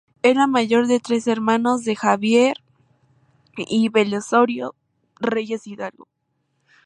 Es la mayor de tres hermanos, de Xavier y Belisario Reyes Hidalgo.